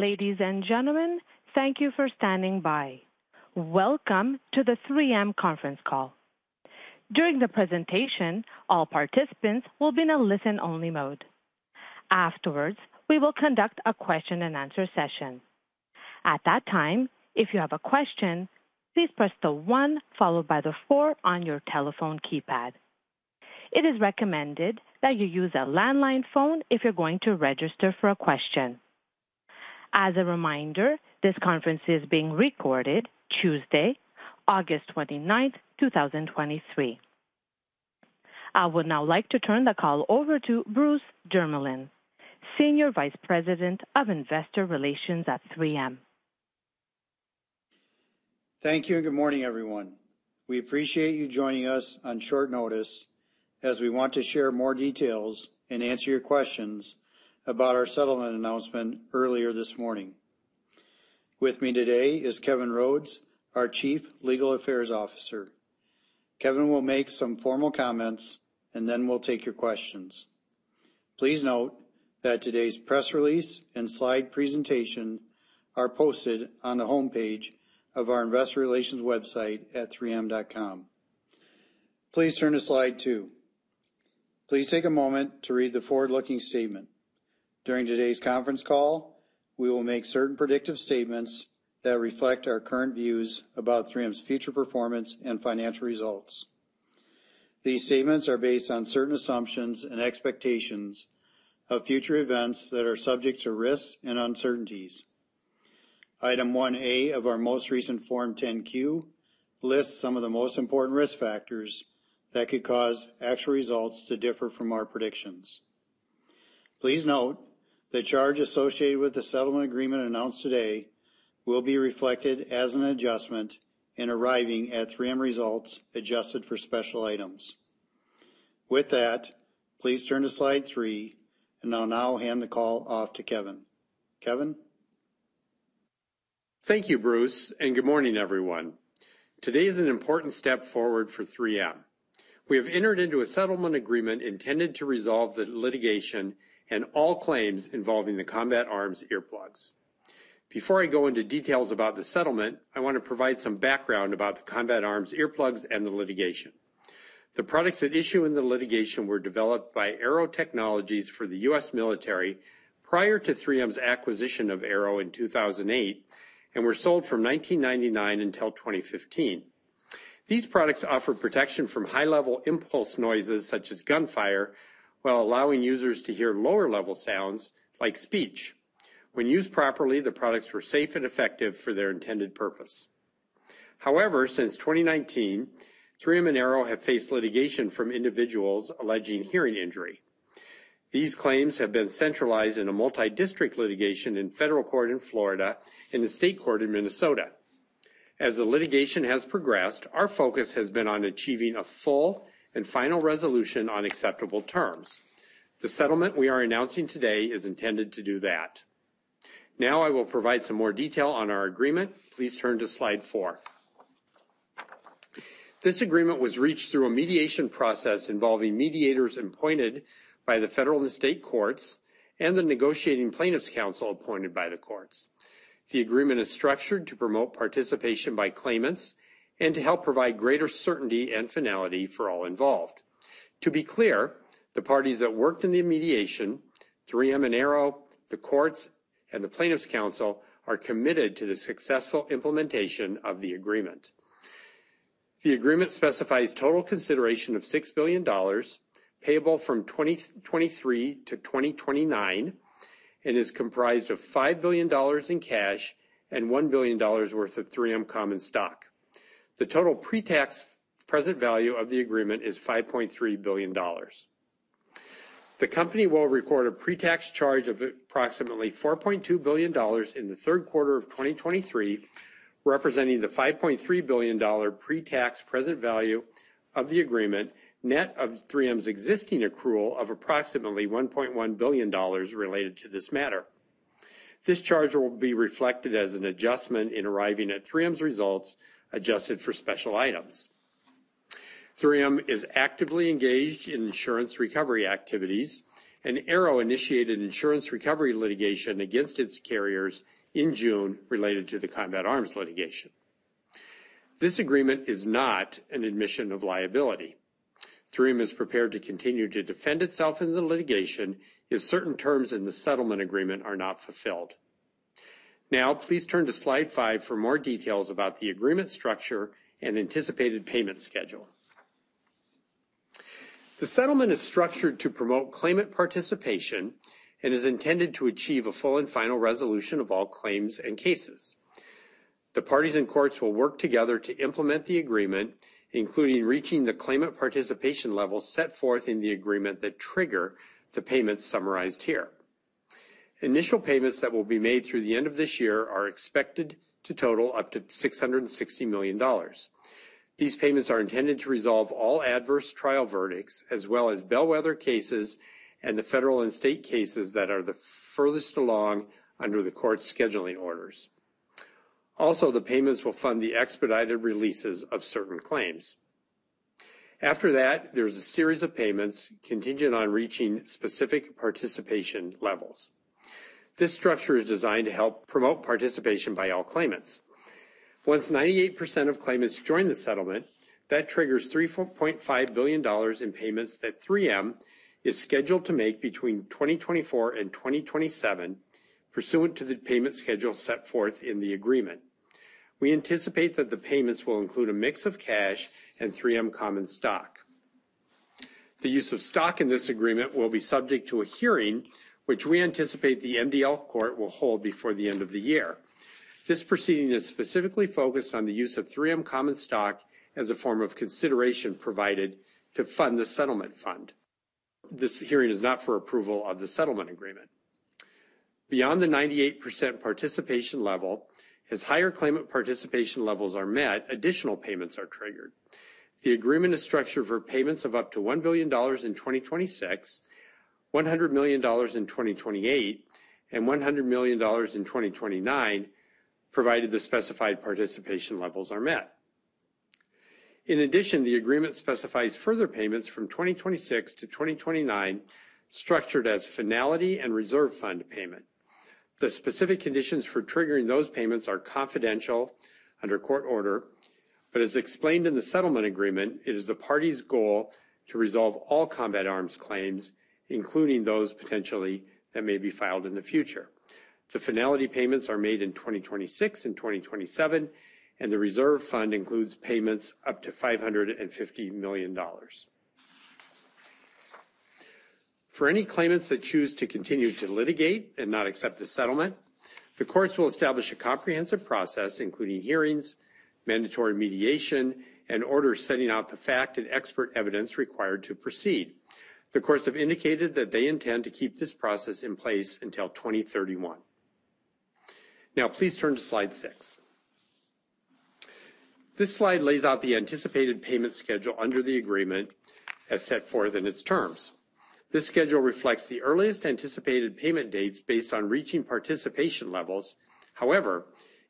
Ladies and gentlemen, thank you for standing by. Welcome to the 3M conference call. During the presentation, all participants will be in a listen-only mode. Afterwards, we will conduct a question-and-answer session. At that time, if you have a question, please press the one followed by the four on your telephone keypad. It is recommended that you use a landline phone if you're going to register for a question. As a reminder, this conference is being recorded Tuesday, August 29, 2023. I would now like to turn the call over to Bruce Jermeland, Senior Vice President of Investor Relations at 3M. Thank you, and good morning, everyone. We appreciate you joining us on short notice, as we want to share more details and answer your questions about our settlement announcement earlier this morning. With me today is Kevin Rhodes, our Chief Legal Affairs Officer. Kevin will make some formal comments, and then we'll take your questions. Please note that today's press release and slide presentation are posted on the homepage of our investor relations website at 3M.com. Please turn to slide two. Please take a moment to read the forward-looking statement. During today's conference call, we will make certain predictive statements that reflect our current views about 3M's future performance and financial results. These statements are based on certain assumptions and expectations of future events that are subject to risks and uncertainties. Item 1A of our most recent Form 10-Q lists some of the most important risk factors that could cause actual results to differ from our predictions. Please note, the charge associated with the settlement agreement announced today will be reflected as an adjustment in arriving at 3M results adjusted for special items. With that, please turn to slide 3, and I'll now hand the call off to Kevin. Kevin? Thank you, Bruce, and good morning, everyone. Today is an important step forward for 3M. We have entered into a settlement agreement intended to resolve the litigation and all claims involving the Combat Arms Earplugs. Before I go into details about the settlement, I want to provide some background about the Combat Arms Earplugs and the litigation. The products at issue in the litigation were developed by Aearo Technologies for the U.S. military prior to 3M's acquisition of Aearo in 2008, and were sold from 1999 until 2015. These products offer protection from high-level impulse noises, such as gunfire, while allowing users to hear lower-level sounds like speech. When used properly, the products were safe and effective for their intended purpose. However, since 2019, 3M and Aearo have faced litigation from individuals alleging hearing injury. These claims have been centralized in a multidistrict litigation in federal court in Florida and a state court in Minnesota. As the litigation has progressed, our focus has been on achieving a full and final resolution on acceptable terms. The settlement we are announcing today is intended to do that. Now, I will provide some more detail on our agreement. Please turn to slide 4. This agreement was reached through a mediation process involving mediators appointed by the federal and state courts and the negotiating plaintiffs' counsel appointed by the courts. The agreement is structured to promote participation by claimants and to help provide greater certainty and finality for all involved. To be clear, the parties that worked in the mediation, 3M and Aearo, the courts, and the plaintiffs' counsel, are committed to the successful implementation of the agreement. The agreement specifies total consideration of $6 billion, payable from 2023 to 2029, and is comprised of $5 billion in cash and $1 billion worth of 3M common stock. The total pre-tax present value of the agreement is $5.3 billion. The company will record a pre-tax charge of approximately $4.2 billion in the third quarter of 2023, representing the $5.3 billion pre-tax present value of the agreement, net of 3M's existing accrual of approximately $1.1 billion related to this matter. This charge will be reflected as an adjustment in arriving at 3M's results, adjusted for special items. 3M is actively engaged in insurance recovery activities, and Aearo initiated an insurance recovery litigation against its carriers in June related to the Combat Arms litigation. This agreement is not an admission of liability. 3M is prepared to continue to defend itself in the litigation if certain terms in the settlement agreement are not fulfilled. Now, please turn to slide 5 for more details about the agreement structure and anticipated payment schedule. The settlement is structured to promote claimant participation and is intended to achieve a full and final resolution of all claims and cases. The parties and courts will work together to implement the agreement, including reaching the claimant participation levels set forth in the agreement that trigger the payments summarized here. Initial payments that will be made through the end of this year are expected to total up to $660 million. These payments are intended to resolve all adverse trial verdicts, as well as bellwether cases and the federal and state cases that are the furthest along under the court's scheduling orders. Also, the payments will fund the expedited releases of certain claims. After that, there's a series of payments contingent on reaching specific participation levels. This structure is designed to help promote participation by all claimants. Once 98% of claimants join the settlement, that triggers $3.5 billion in payments that 3M is scheduled to make between 2024 and 2027, pursuant to the payment schedule set forth in the agreement. We anticipate that the payments will include a mix of cash and 3M common stock. The use of stock in this agreement will be subject to a hearing, which we anticipate the MDL court will hold before the end of the year. This proceeding is specifically focused on the use of 3M common stock as a form of consideration provided to fund the settlement fund. This hearing is not for approval of the settlement agreement. Beyond the 98% participation level, as higher claimant participation levels are met, additional payments are triggered. The agreement is structured for payments of up to $1 billion in 2026, $100 million in 2028, and $100 million in 2029, provided the specified participation levels are met. In addition, the agreement specifies further payments from 2026 to 2029, structured as finality and reserve fund payment. The specific conditions for triggering those payments are confidential under court order, but as explained in the settlement agreement, it is the parties' goal to resolve all Combat Arms claims, including those potentially that may be filed in the future. The finality payments are made in 2026 and 2027, and the reserve fund includes payments up to $550 million. For any claimants that choose to continue to litigate and not accept the settlement, the courts will establish a comprehensive process, including hearings, mandatory mediation, and orders setting out the fact and expert evidence required to proceed. The courts have indicated that they intend to keep this process in place until 2031. Now, please turn to slide 6. This slide lays out the anticipated payment schedule under the agreement as set forth in its terms. This schedule reflects the earliest anticipated payment dates based on reaching participation levels. However,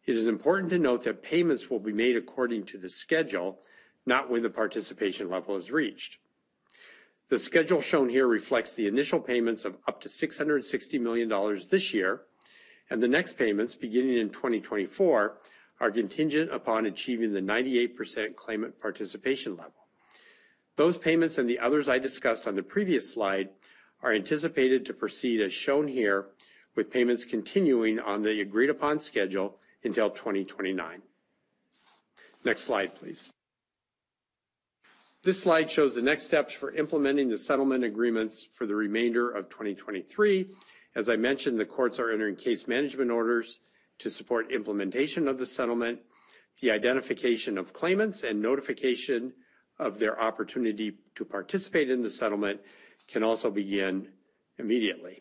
it is important to note that payments will be made according to the schedule, not when the participation level is reached. The schedule shown here reflects the initial payments of up to $660 million this year, and the next payments, beginning in 2024, are contingent upon achieving the 98% claimant participation level. Those payments and the others I discussed on the previous slide are anticipated to proceed as shown here, with payments continuing on the agreed-upon schedule until 2029. Next slide, please. This slide shows the next steps for implementing the settlement agreements for the remainder of 2023. As I mentioned, the courts are entering case management orders to support implementation of the settlement. The identification of claimants and notification of their opportunity to participate in the settlement can also begin immediately.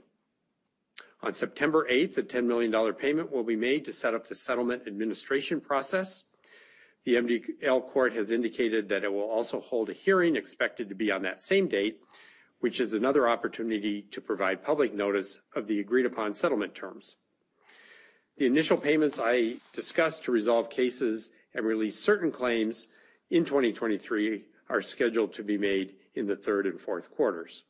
On September 8, a $10 million payment will be made to set up the settlement administration process. The MDL court has indicated that it will also hold a hearing expected to be on that same date, which is another opportunity to provide public notice of the agreed-upon settlement terms. The initial payments I discussed to resolve cases and release certain claims in 2023 are scheduled to be made in the third and fourth quarters.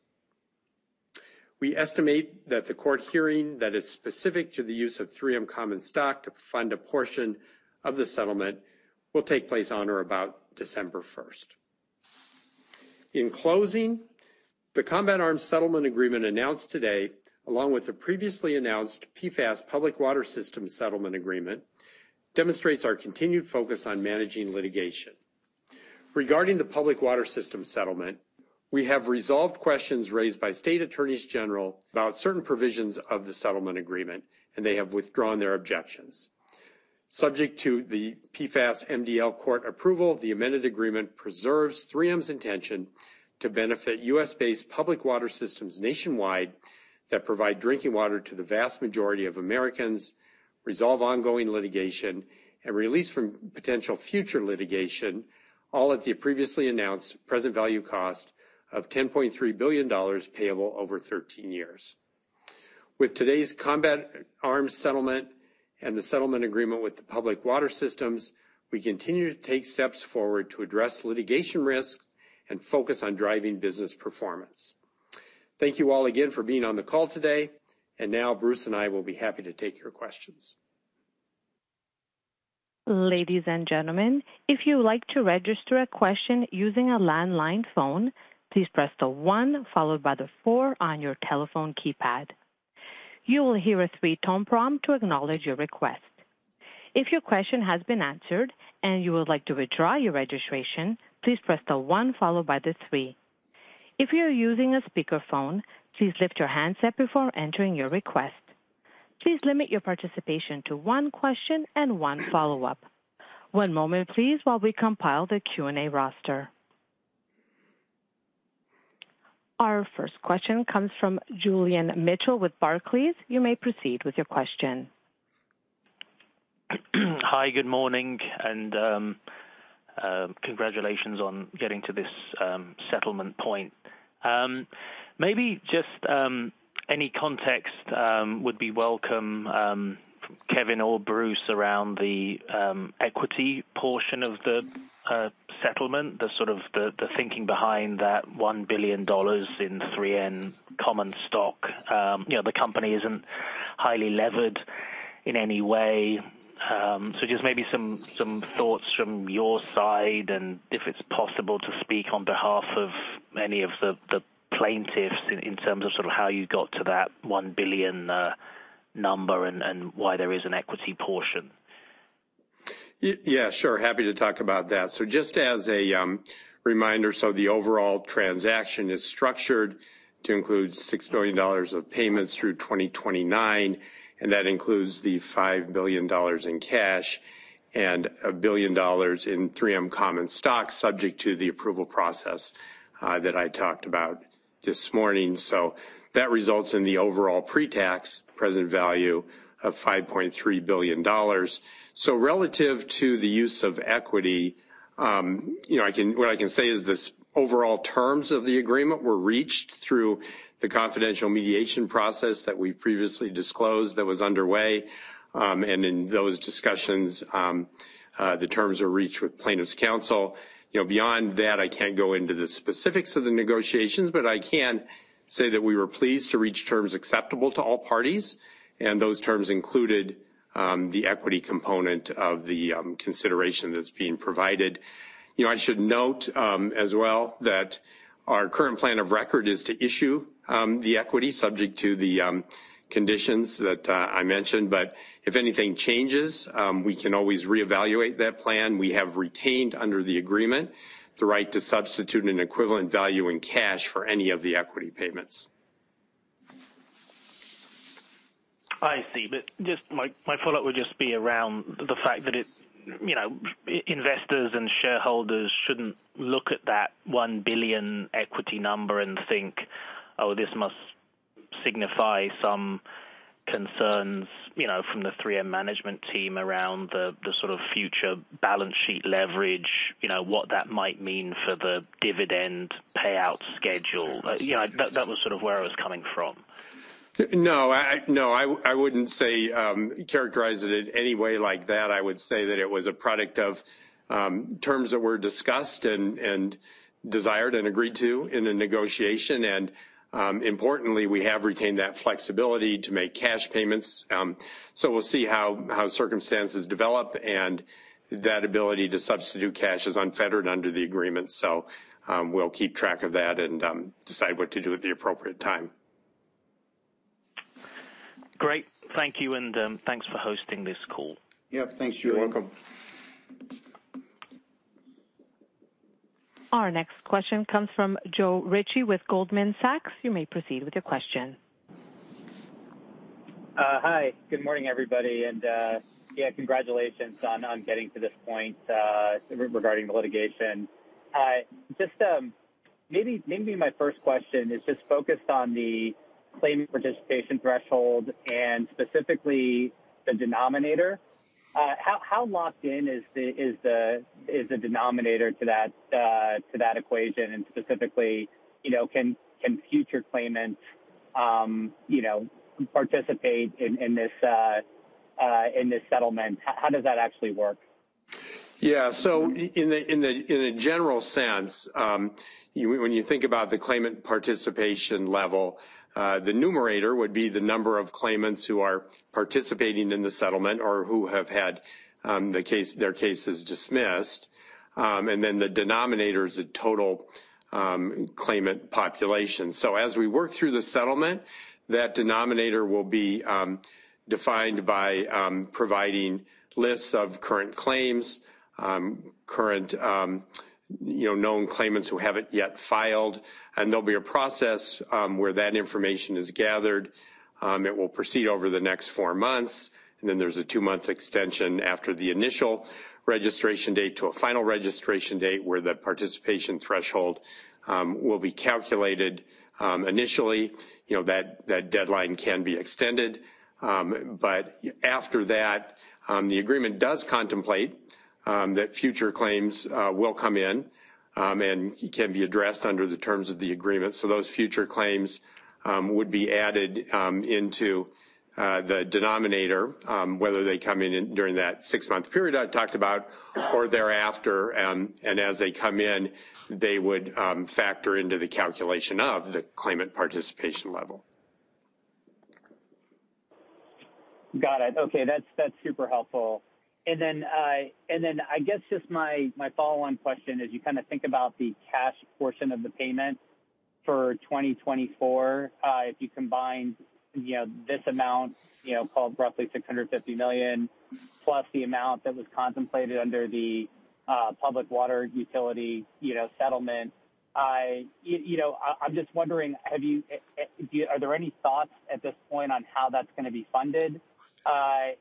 We estimate that the court hearing that is specific to the use of 3M common stock to fund a portion of the settlement will take place on or about December 1. In closing, the Combat Arms settlement agreement announced today, along with the previously announced PFAS Public Water System settlement agreement, demonstrates our continued focus on managing litigation. Regarding the public water system settlement, we have resolved questions raised by state attorneys general about certain provisions of the settlement agreement, and they have withdrawn their objections. Subject to the PFAS MDL court approval, the amended agreement preserves 3M's intention to benefit U.S.-based public water systems nationwide that provide drinking water to the vast majority of Americans, resolve ongoing litigation, and release from potential future litigation, all at the previously announced present value cost of $10.3 billion, payable over 13 years. With today's Combat Arms settlement and the settlement agreement with the public water systems, we continue to take steps forward to address litigation risk and focus on driving business performance. Thank you all again for being on the call today, and now Bruce and I will be happy to take your questions. Ladies and gentlemen, if you would like to register a question using a landline phone, please press the one followed by the four on your telephone keypad. You will hear a three-tone prompt to acknowledge your request. If your question has been answered and you would like to withdraw your registration, please press the one followed by the three. If you are using a speakerphone, please lift your handset before entering your request. Please limit your participation to one question and one follow-up. One moment, please, while we compile the Q&A roster. Our first question comes from Julian Mitchell with Barclays. You may proceed with your question. Hi, good morning, and congratulations on getting to this settlement point. Maybe just any context would be welcome, Kevin or Bruce, around the equity portion of the settlement, the sort of thinking behind that $1 billion in 3M common stock. You know, the company isn't highly levered in any way. So just maybe some thoughts from your side, and if it's possible to speak on behalf of any of the plaintiffs in terms of sort of how you got to that $1 billion number, and why there is an equity portion. Yeah, sure. Happy to talk about that. So just as a reminder, so the overall transaction is structured to include $6 billion of payments through 2029, and that includes the $5 billion in cash and $1 billion in 3M common stock, subject to the approval process, that I talked about this morning. So that results in the overall pre-tax present value of $5.3 billion. So relative to the use of equity, you know, I can-- what I can say is this overall terms of the agreement were reached through the confidential mediation process that we previously disclosed that was underway. And in those discussions, the terms were reached with plaintiff's counsel. You know, beyond that, I can't go into the specifics of the negotiations, but I can say that we were pleased to reach terms acceptable to all parties, and those terms included the equity component of the consideration that's being provided. You know, I should note, as well, that our current plan of record is to issue the equity subject to the conditions that I mentioned. But if anything changes, we can always reevaluate that plan. We have retained, under the agreement, the right to substitute an equivalent value in cash for any of the equity payments. I see, but just my, my follow-up would just be around the fact that it, you know, investors and shareholders shouldn't look at that $1 billion equity number and think, "Oh, this must signify some concerns, you know, from the 3M management team around the, the sort of future balance sheet leverage," you know, what that might mean for the dividend payout schedule. You know, that, that was sort of where I was coming from. No, I wouldn't say characterize it in any way like that. I would say that it was a product of terms that were discussed and desired and agreed to in a negotiation. And, importantly, we have retained that flexibility to make cash payments. So we'll see how circumstances develop, and that ability to substitute cash is unfettered under the agreement. So, we'll keep track of that and decide what to do at the appropriate time. Great. Thank you, and, thanks for hosting this call. Yeah, thanks, Stuart. You're welcome. Our next question comes from Joe Ritchie with Goldman Sachs. You may proceed with your question. Hi, good morning, everybody, and, yeah, congratulations on getting to this point, regarding the litigation. Just, maybe my first question is just focused on the claimant participation threshold and specifically the denominator. How locked in is the denominator to that equation? And specifically, you know, can future claimants, you know, participate in this settlement? How does that actually work? Yeah. So in the, in the, in a general sense, you, when you think about the claimant participation level, the numerator would be the number of claimants who are participating in the settlement or who have had the case, their cases dismissed. And then the denominator is the total claimant population. So as we work through the settlement, that denominator will be defined by providing lists of current claims, current, you know, known claimants who haven't yet filed. And there'll be a process where that information is gathered. It will proceed over the next 4 months, and then there's a 2-month extension after the initial registration date to a final registration date, where the participation threshold will be calculated. Initially, you know, that deadline can be extended, but after that, the agreement does contemplate that future claims will come in and can be addressed under the terms of the agreement. So those future claims would be added into the denominator, whether they come in during that six-month period I talked about or thereafter. And as they come in, they would factor into the calculation of the claimant participation level. Got it. Okay, that's super helpful. And then I guess just my follow-on question is, you kind of think about the cash portion of the payment for 2024. If you combined, you know, this amount, you know, called roughly $650 million, plus the amount that was contemplated under the public water utility, you know, settlement, I'm just wondering, are there any thoughts at this point on how that's gonna be funded?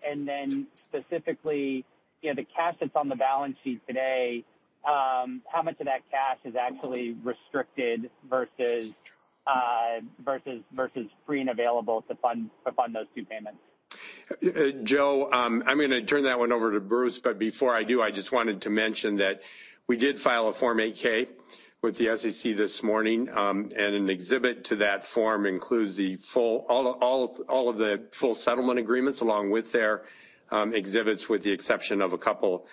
And then specifically, you know, the cash that's on the balance sheet today, how much of that cash is actually restricted versus free and available to fund those two payments?... Joe, I'm gonna turn that one over to Bruce, but before I do, I just wanted to mention that we did file a Form 8-K with the SEC this morning, and an exhibit to that form includes the full—all of the full settlement agreements, along with their exhibits, with the exception of a couple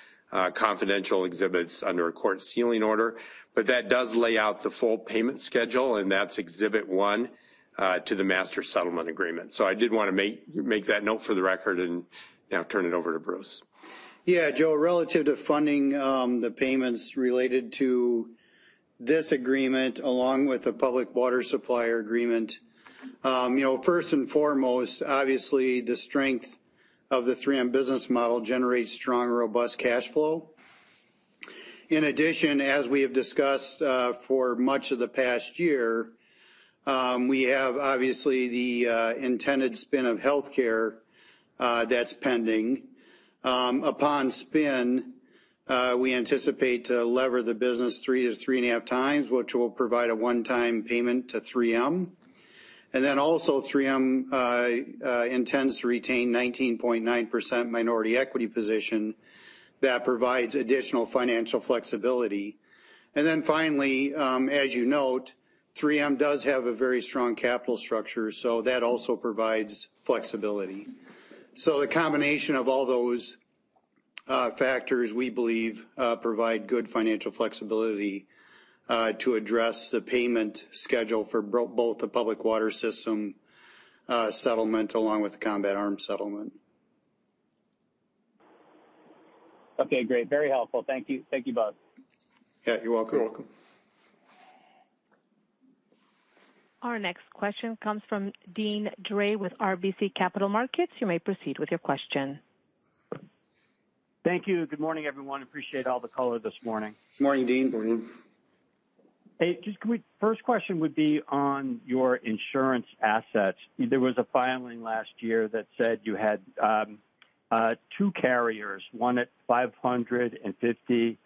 confidential exhibits under a court sealing order. But that does lay out the full payment schedule, and that's Exhibit One to the master settlement agreement. So I did wanna make that note for the record and now turn it over to Bruce. Yeah, Joe, relative to funding, the payments related to this agreement, along with the public water supplier agreement, you know, first and foremost, obviously, the strength of the 3M business model generates strong, robust cash flow. In addition, as we have discussed, for much of the past year, we have obviously the intended spin of healthcare, that's pending. Upon spin, we anticipate to lever the business 3-3.5 times, which will provide a one-time payment to 3M. And then also 3M intends to retain 19.9% minority equity position that provides additional financial flexibility. And then finally, as you note, 3M does have a very strong capital structure, so that also provides flexibility. So the combination of all those factors, we believe, provide good financial flexibility to address the payment schedule for both the public water system settlement, along with the Combat Arms settlement. Okay, great. Very helpful. Thank you. Thank you, both. Yeah, you're welcome. You're welcome. Our next question comes from Deane Dray with RBC Capital Markets. You may proceed with your question. Thank you. Good morning, everyone. Appreciate all the color this morning. Good morning, Deane. Good morning. Hey, just can we first question would be on your insurance assets. There was a filing last year that said you had two carriers, one at $550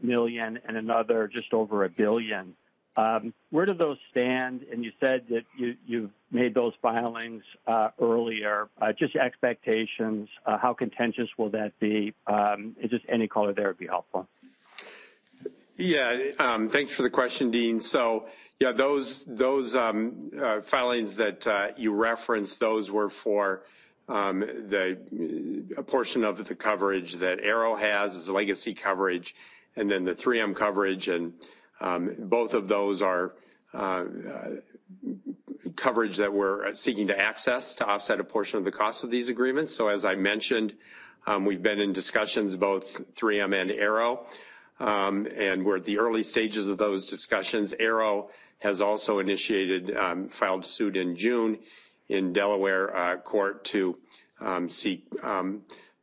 million and another just over $1 billion. Where do those stand? And you said that you made those filings earlier. Just your expectations, how contentious will that be? And just any color there would be helpful. Yeah, thanks for the question, Deane. So, yeah, those filings that you referenced were for a portion of the coverage that Aearo has as a legacy coverage, and then the 3M coverage, and both of those are coverage that we're seeking to access to offset a portion of the cost of these agreements. So as I mentioned, we've been in discussions, both 3M and Aearo, and we're at the early stages of those discussions. Aearo has also filed suit in June in Delaware court to seek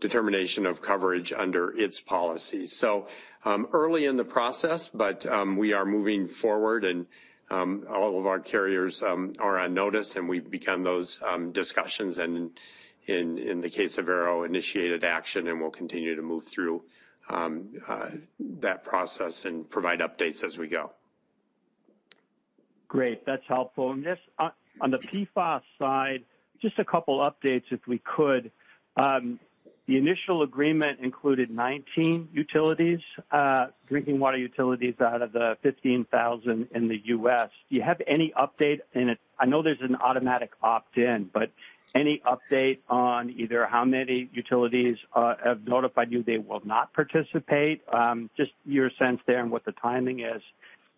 determination of coverage under its policy. So, early in the process, but we are moving forward and all of our carriers are on notice, and we've begun those discussions, and in the case of Aearo, initiated action, and we'll continue to move through that process and provide updates as we go. Great, that's helpful. And just, on the PFAS side, just a couple updates, if we could. The initial agreement included 19 utilities, drinking water utilities out of the 15,000 in the U.S. Do you have any update? And I know there's an automatic opt-in, but any update on either how many utilities have notified you they will not participate? Just your sense there and what the timing is.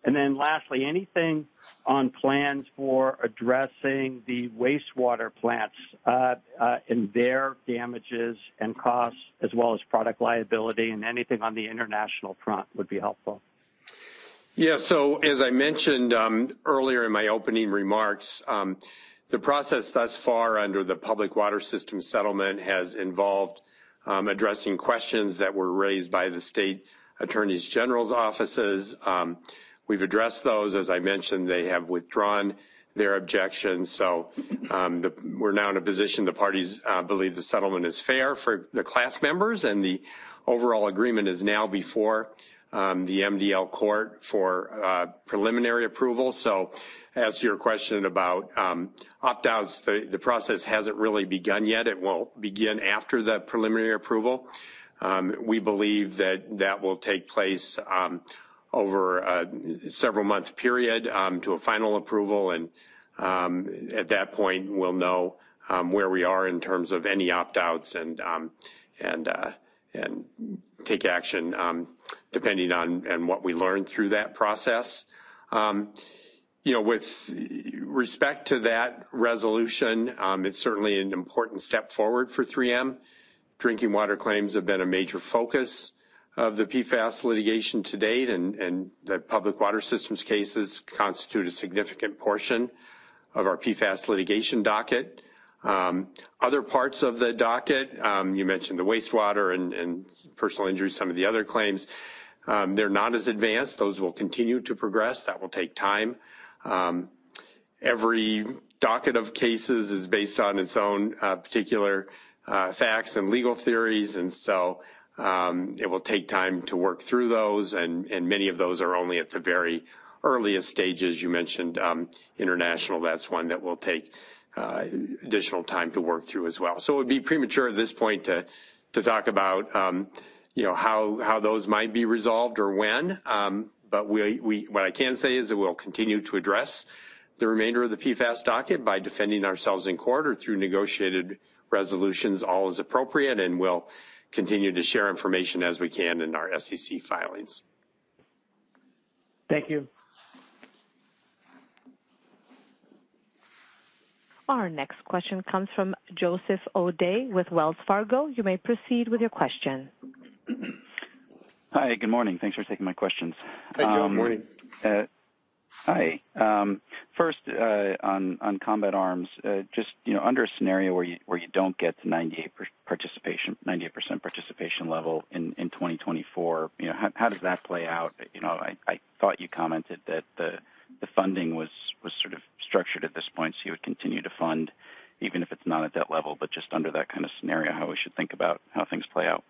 And then lastly, anything on plans for addressing the wastewater plants, and their damages and costs, as well as product liability, and anything on the international front would be helpful. Yeah, so as I mentioned earlier in my opening remarks, the process thus far under the public water system settlement has involved addressing questions that were raised by the state attorneys general's offices. We've addressed those. As I mentioned, they have withdrawn their objections, so we're now in a position the parties believe the settlement is fair for the class members, and the overall agreement is now before the MDL court for preliminary approval. So as to your question about opt-outs, the process hasn't really begun yet. It will begin after the preliminary approval. We believe that will take place over a several-month period to a final approval, and at that point, we'll know where we are in terms of any opt-outs and take action depending on what we learn through that process. You know, with respect to that resolution, it's certainly an important step forward for 3M. Drinking water claims have been a major focus of the PFAS litigation to date, and the public water systems cases constitute a significant portion of our PFAS litigation docket. Other parts of the docket, you mentioned the wastewater and personal injuries, some of the other claims, they're not as advanced. Those will continue to progress. That will take time... Every docket of cases is based on its own particular facts and legal theories, and so it will take time to work through those, and many of those are only at the very earliest stages. You mentioned international, that's one that will take additional time to work through as well. So it'd be premature at this point to talk about you know how those might be resolved or when, but we-- what I can say is that we'll continue to address the remainder of the PFAS docket by defending ourselves in court or through negotiated resolutions, all as appropriate, and we'll continue to share information as we can in our SEC filings. Thank you. Our next question comes from Joseph O'Dea with Wells Fargo. You may proceed with your question. Hi, good morning. Thanks for taking my questions. Hi, Joe. Morning. Hi. First, on Combat Arms, just, you know, under a scenario where you don't get the 98% participation level in 2024, you know, how does that play out? You know, I thought you commented that the funding was sort of structured at this point, so you would continue to fund, even if it's not at that level, but just under that kind of scenario, how we should think about how things play out.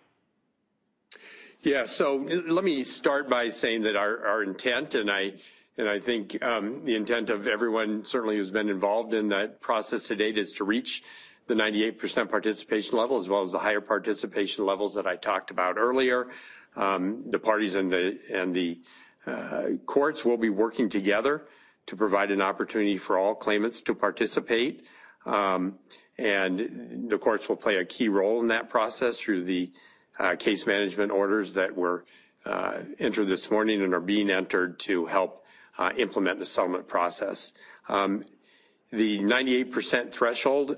Yeah. So let me start by saying that our intent, and I think, the intent of everyone certainly who's been involved in that process to date, is to reach the 98% participation level, as well as the higher participation levels that I talked about earlier. The parties and the courts will be working together to provide an opportunity for all claimants to participate, and the courts will play a key role in that process through the case management orders that were entered this morning and are being entered to help implement the settlement process. The 98% threshold,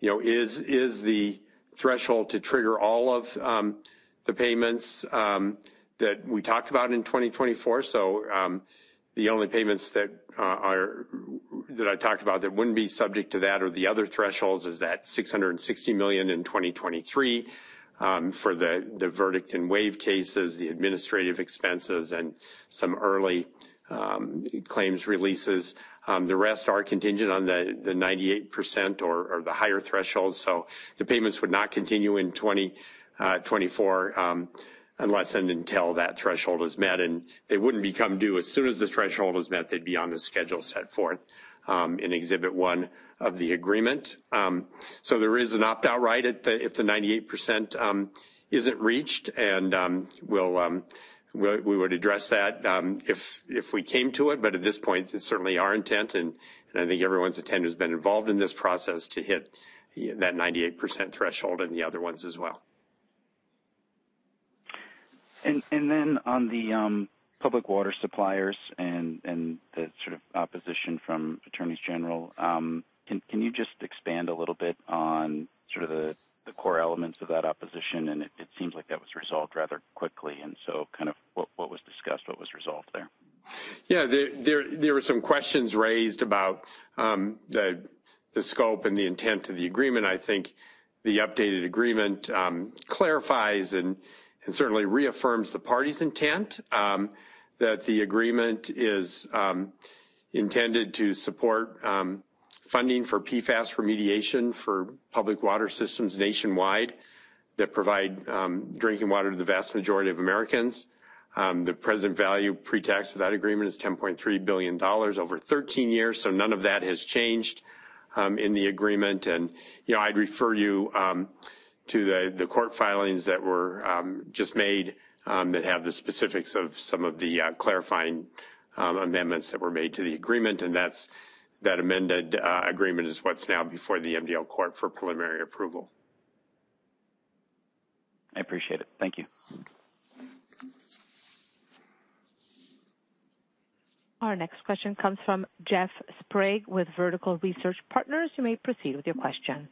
you know, is the threshold to trigger all of the payments that we talked about in 2024. So, the only payments that are... that I talked about that wouldn't be subject to that or the other thresholds is that $660 million in 2023 for the verdict and wave cases, the administrative expenses, and some early claims releases. The rest are contingent on the 98% or the higher thresholds, so the payments would not continue in 2024 unless and until that threshold is met, and they wouldn't become due. As soon as the threshold was met, they'd be on the schedule set forth in exhibit one of the agreement. So there is an opt-out right at the, if the 98% isn't reached, and we'll, we would address that, if we came to it, but at this point, it's certainly our intent, and I think everyone's intent who's been involved in this process, to hit that 98% threshold and the other ones as well. Then on the public water suppliers and the sort of opposition from attorneys general, can you just expand a little bit on sort of the core elements of that opposition? It seems like that was resolved rather quickly, and so kind of what was discussed, what was resolved there? Yeah. There were some questions raised about the scope and the intent of the agreement. I think the updated agreement clarifies and certainly reaffirms the parties' intent that the agreement is intended to support funding for PFAS remediation for public water systems nationwide that provide drinking water to the vast majority of Americans. The present value pre-tax of that agreement is $10.3 billion over 13 years, so none of that has changed in the agreement. And, you know, I'd refer you to the court filings that were just made that have the specifics of some of the clarifying amendments that were made to the agreement, and that amended agreement is what's now before the MDL court for preliminary approval. I appreciate it. Thank you. Our next question comes from Jeff Sprague, with Vertical Research Partners. You may proceed with your question.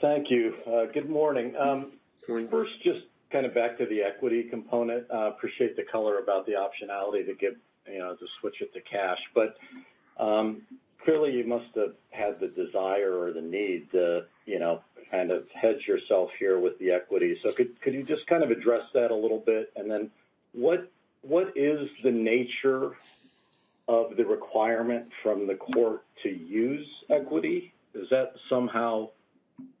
Thank you. Good morning. Good morning. First, just kind of back to the equity component. Appreciate the color about the optionality to give, you know, to switch it to cash. But, clearly, you must have had the desire or the need to, you know, kind of hedge yourself here with the equity. So could, could you just kind of address that a little bit? And then what, what is the nature of the requirement from the court to use equity? Does that somehow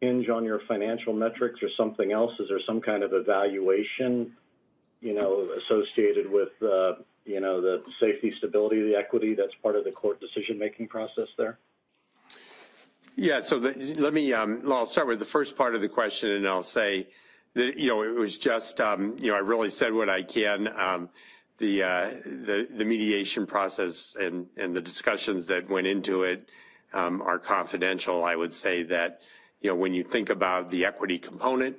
hinge on your financial metrics or something else? Is there some kind of evaluation, you know, associated with, you know, the safety, stability of the equity that's part of the court decision-making process there? Yeah. So let me... Well, I'll start with the first part of the question, and I'll say that, you know, it was just, you know, I really said what I can. The mediation process and the discussions that went into it are confidential. I would say that, you know, when you think about the equity component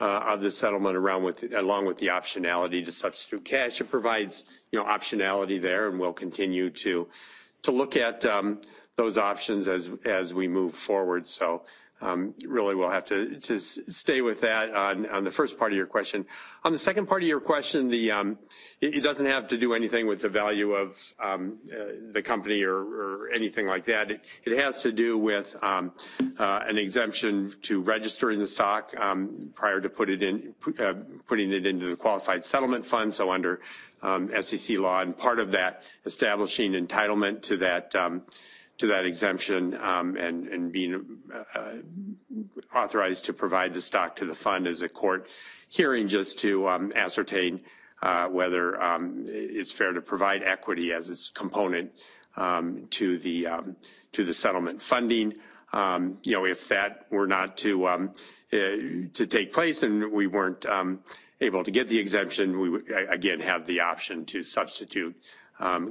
of the settlement around with, along with the optionality to substitute cash, it provides, you know, optionality there, and we'll continue to look at those options as we move forward. So, really, we'll have to stay with that on the first part of your question. On the second part of your question, it doesn't have to do anything with the value of the company or anything like that. It has to do with an exemption to registering the stock prior to putting it into the Qualified Settlement Fund, so under SEC law, and part of that, establishing entitlement to that exemption, and being authorized to provide the stock to the fund as a court hearing, just to ascertain whether it's fair to provide equity as its component to the settlement funding. You know, if that were not to take place and we weren't able to get the exemption, we would, again, have the option to substitute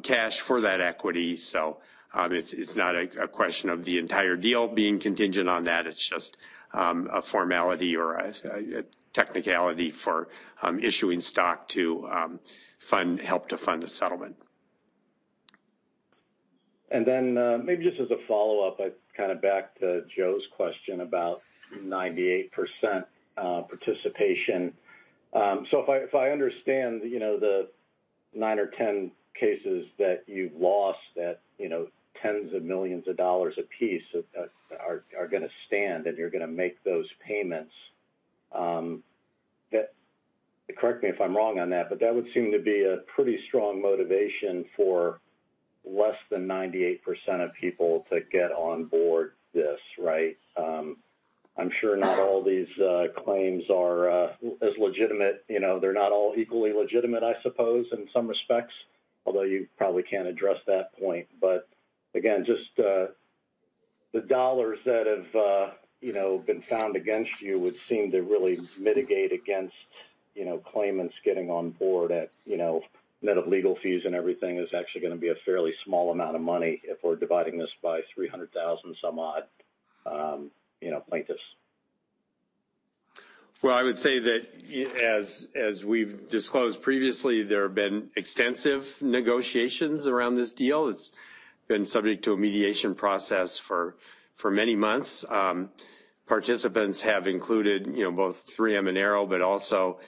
cash for that equity. So, it's not a question of the entire deal being contingent on that. It's just a formality or a technicality for issuing stock to help to fund the settlement. Then, maybe just as a follow-up, I kind of back to Joe's question about 98% participation. So if I, if I understand, you know, the nine or 10 cases that you've lost, that, you know, $10s of millions of dollars a piece, are gonna stand, and you're gonna make those payments, that, correct me if I'm wrong on that, but that would seem to be a pretty strong motivation for less than 98% of people to get on board this, right? I'm sure not all these claims are as legitimate, you know, they're not all equally legitimate, I suppose, in some respects, although you probably can't address that point. But again, just the dollars that have, you know, been found against you would seem to really mitigate against, you know, claimants getting on board at, you know, net of legal fees and everything is actually gonna be a fairly small amount of money if we're dividing this by 300,000 some odd, you know, plaintiffs. Well, I would say that as we've disclosed previously, there have been extensive negotiations around this deal. It's been subject to a mediation process for many months. Participants have included, you know, both 3M and Aearo, but also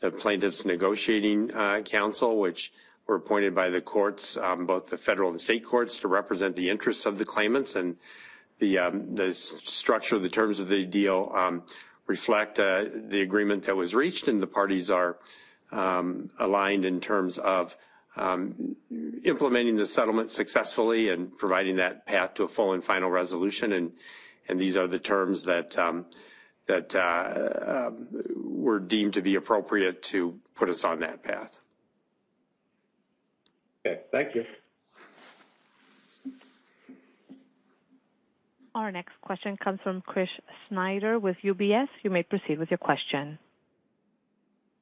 the plaintiffs' negotiating counsel, which were appointed by the courts, both the federal and state courts, to represent the interests of the claimants. And the structure of the terms of the deal reflect the agreement that was reached, and the parties are aligned in terms of implementing the settlement successfully and providing that path to a full and final resolution. And these are the terms that were deemed to be appropriate to put us on that path. Okay, thank you. Our next question comes from Chris Snyder with UBS. You may proceed with your question.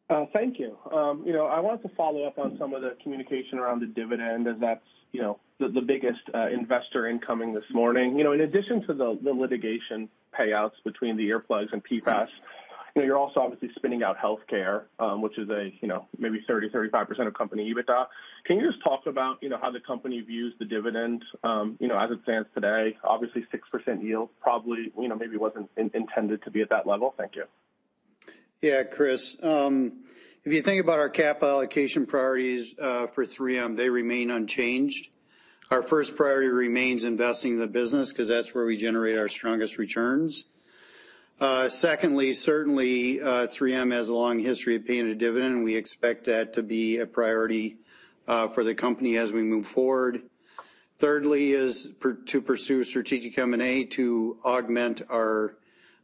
Thank you. You know, I wanted to follow up on some of the communication around the dividend, as that's, you know, the biggest investor incoming this morning. You know, in addition to the litigation payouts between the earplugs and PFAS, you know, you're also obviously spinning out healthcare, which is a, you know, maybe 30-35% of company EBITDA. Can you just talk about, you know, how the company views the dividend, you know, as it stands today? Obviously, 6% yield probably, you know, maybe wasn't intended to be at that level. Thank you. Yeah, Chris. If you think about our capital allocation priorities for 3M, they remain unchanged. Our first priority remains investing in the business because that's where we generate our strongest returns. Secondly, certainly, 3M has a long history of paying a dividend, and we expect that to be a priority for the company as we move forward. Thirdly is to pursue strategic M&A to augment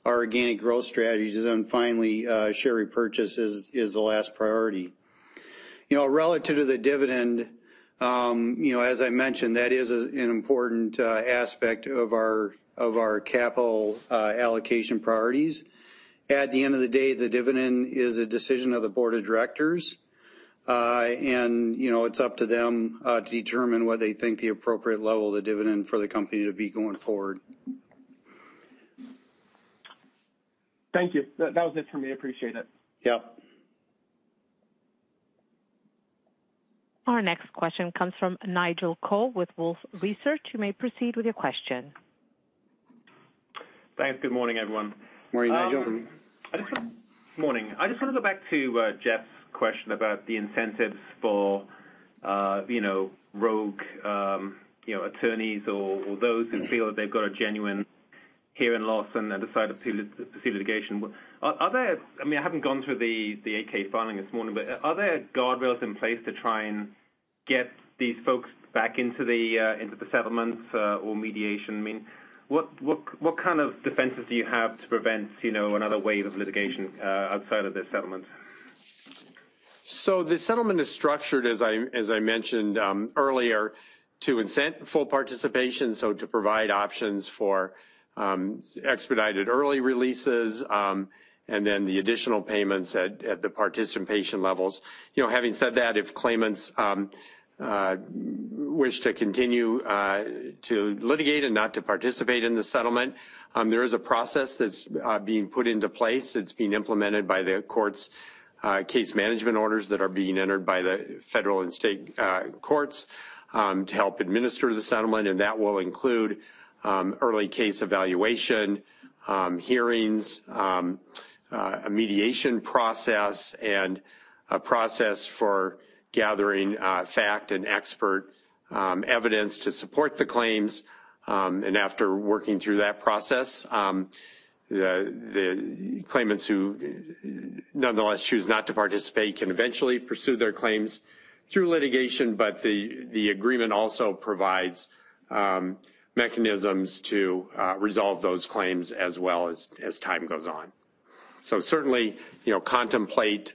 our organic growth strategies. And then finally, share repurchase is the last priority. You know, relative to the dividend, you know, as I mentioned, that is an important aspect of our capital allocation priorities. At the end of the day, the dividend is a decision of the board of directors. you know, it's up to them to determine what they think the appropriate level of the dividend for the company to be going forward. Thank you. That was it for me. Appreciate it. Yeah. Our next question comes from Nigel Coe with Wolfe Research. You may proceed with your question. Thanks. Good morning, everyone. Morning, Nigel. Morning. I just want to go back to Jeff's question about the incentives for you know, rogue you know, attorneys or those who feel that they've got a genuine hearing loss and decide to see litigation. Are there... I mean, I haven't gone through the 8-K filing this morning, but are there guardrails in place to try and get these folks back into the settlement or mediation? I mean, what kind of defenses do you have to prevent you know, another wave of litigation outside of this settlement? So the settlement is structured, as I mentioned earlier, to incent full participation, so to provide options for expedited early releases and then the additional payments at the participation levels. You know, having said that, if claimants wish to continue to litigate and not to participate in the settlement, there is a process that's being put into place. It's being implemented by the court's case management orders that are being entered by the federal and state courts to help administer the settlement, and that will include early case evaluation hearings, a mediation process, and a process for gathering fact and expert evidence to support the claims. And after working through that process, the claimants who nonetheless choose not to participate can eventually pursue their claims through litigation, but the agreement also provides mechanisms to resolve those claims as well as time goes on. So certainly, you know, contemplate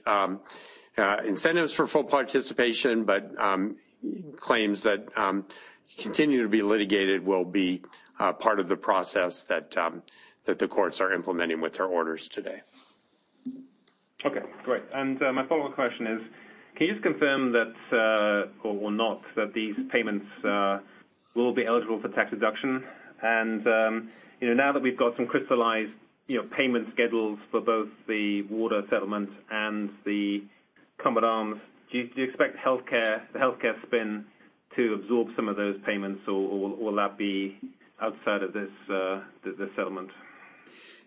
incentives for full participation, but claims that continue to be litigated will be part of the process that the courts are implementing with their orders today. Okay, great. And my follow-up question is: Can you just confirm that or not that these payments will be eligible for tax deduction? And you know, now that we've got some crystallized you know payment schedules for both the water settlement and the-... Combat Arms, do you expect healthcare, the healthcare spin to absorb some of those payments, or will that be outside of this settlement?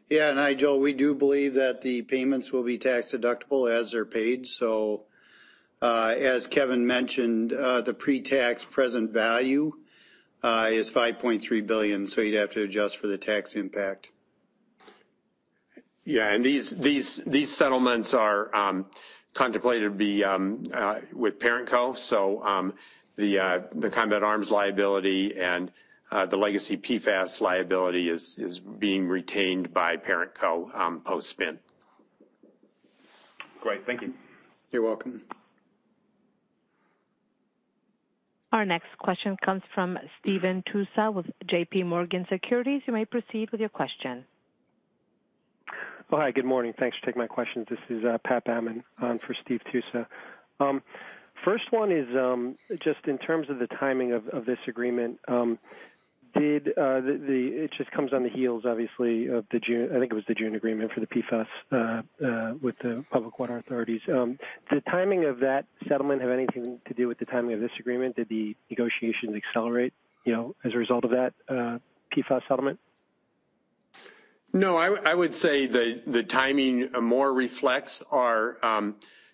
Yeah, Nigel, we do believe that the payments will be tax-deductible as they're paid. So, as Kevin mentioned, the pre-tax present value is $5.3 billion, so you'd have to adjust for the tax impact. Yeah, and these settlements are contemplated to be with ParentCo. So, the Combat Arms liability and the legacy PFAS liability is being retained by ParentCo. post-spin. Great. Thank you. You're welcome. Our next question comes from Stephen Tusa with J.P. Morgan Securities. You may proceed with your question. Well, hi, good morning. Thanks for taking my questions. This is Pat Baumann for Stephen Tusa. First one is just in terms of the timing of this agreement, did it just comes on the heels, obviously, of the June, I think it was the June agreement for the PFAS with the public water authorities. Did the timing of that settlement have anything to do with the timing of this agreement? Did the negotiations accelerate, you know, as a result of that PFAS settlement? No, I would say the timing more reflects our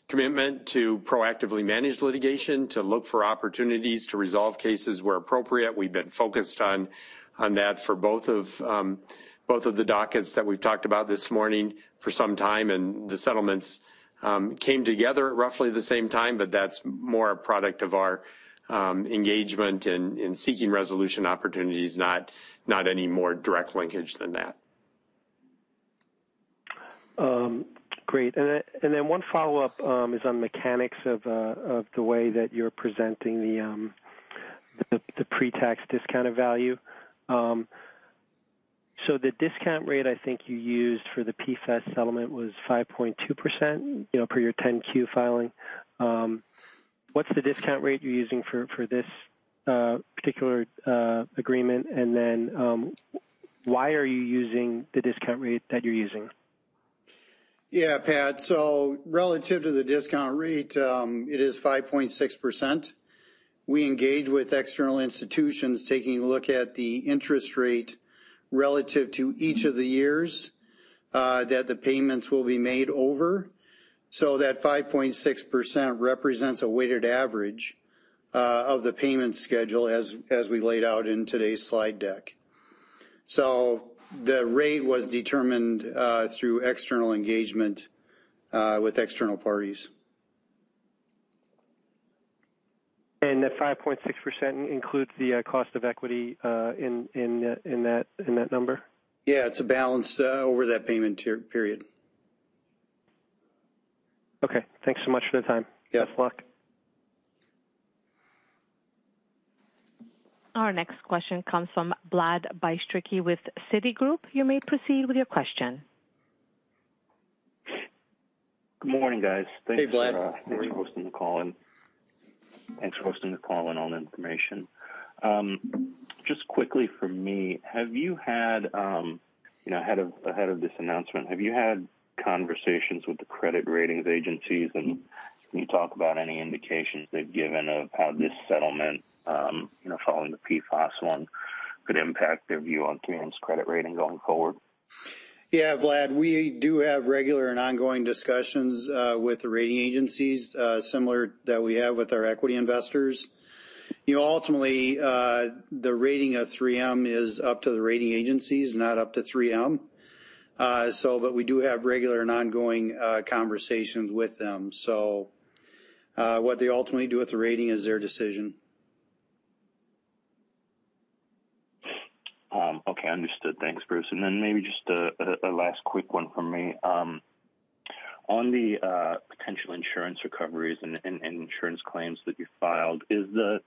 commitment to proactively manage litigation, to look for opportunities to resolve cases where appropriate. We've been focused on that for both of the dockets that we've talked about this morning for some time, and the settlements came together at roughly the same time. But that's more a product of our engagement in seeking resolution opportunities, not any more direct linkage than that. Great. And then one follow-up is on mechanics of the way that you're presenting the pre-tax discounted value. So the discount rate I think you used for the PFAS settlement was 5.2%, you know, per your 10-Q filing. What's the discount rate you're using for this particular agreement? And then why are you using the discount rate that you're using? Yeah, Pat, so relative to the discount rate, it is 5.6%. We engage with external institutions, taking a look at the interest rate relative to each of the years that the payments will be made over. So that 5.6% represents a weighted average of the payment schedule as we laid out in today's slide deck. So the rate was determined through external engagement with external parties. The 5.6% includes the cost of equity in that number? Yeah, it's a balance over that payment period. Okay. Thanks so much for the time. Yeah. Best of luck. Our next question comes from Vlad Bystricky with Citigroup. You may proceed with your question. Good morning, guys. Hey, Vlad. Thanks for hosting the call, and thanks for hosting the call and all the information. Just quickly for me, have you had, you know, ahead of, ahead of this announcement, have you had conversations with the credit ratings agencies? And can you talk about any indications they've given of how this settlement, you know, following the PFAS one, could impact their view on 3M's credit rating going forward? Yeah, Vlad, we do have regular and ongoing discussions, with the rating agencies, similar that we have with our equity investors. You know, ultimately, the rating of 3M is up to the rating agencies, not up to 3M. So but we do have regular and ongoing, conversations with them. So, what they ultimately do with the rating is their decision. Okay, understood. Thanks, Bruce. And then maybe just a last quick one from me. On the potential insurance recoveries and insurance claims that you filed, is the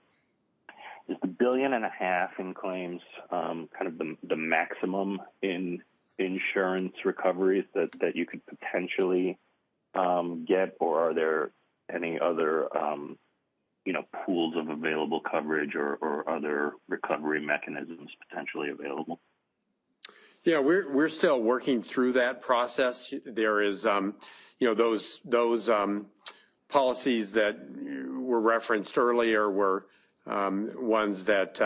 $1.5 billion in claims kind of the maximum in insurance recoveries that you could potentially get, or are there any other, you know, pools of available coverage or other recovery mechanisms potentially available? Yeah, we're still working through that process. There is, you know, those policies that were referenced earlier were ones that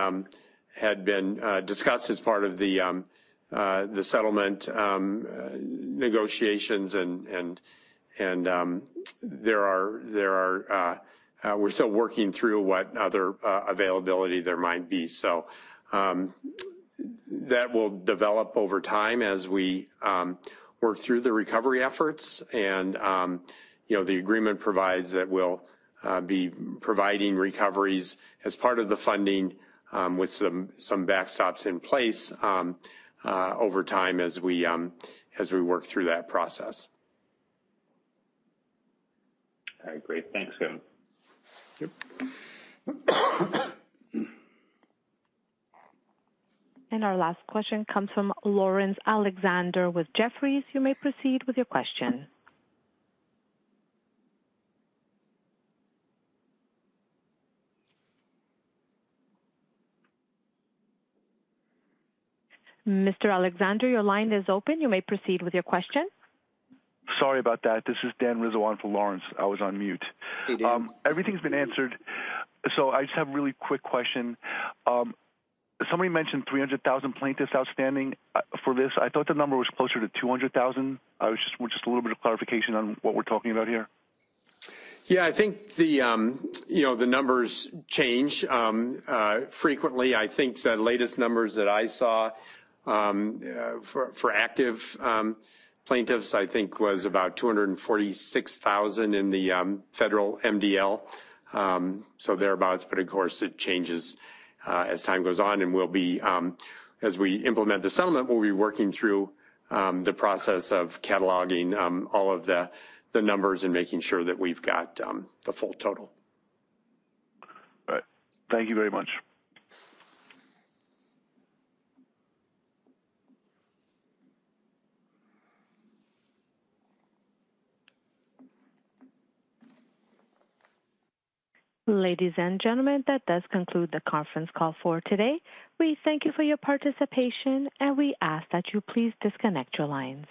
had been discussed as part of the settlement negotiations and there are... We're still working through what other availability there might be. So, that will develop over time as we work through the recovery efforts. And, you know, the agreement provides that we'll be providing recoveries as part of the funding with some backstops in place over time as we work through that process. All right, great. Thanks, Kevin`. Yep. Our last question comes from Lawrence Alexander with Jefferies. You may proceed with your question. Mr. Alexander, your line is open. You may proceed with your question. Sorry about that. This is Dan Rizzo for Lawrence. I was on mute. Hey, Dan. Everything's been answered, so I just have a really quick question. Somebody mentioned 300,000 plaintiffs outstanding for this. I thought the number was closer to 200,000. I just want a little bit of clarification on what we're talking about here. Yeah, I think you know, the numbers change frequently. I think the latest numbers that I saw for active plaintiffs, I think, was about 246,000 in the federal MDL, so thereabouts. But of course, it changes as time goes on, and we'll be, as we implement the settlement, we'll be working through the process of cataloging all of the numbers and making sure that we've got the full total. All right. Thank you very much. Ladies and gentlemen, that does conclude the conference call for today. We thank you for your participation, and we ask that you please disconnect your lines.